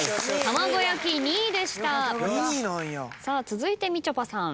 続いてみちょぱさん。